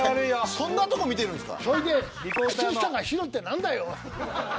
そんなところ見てるんですか？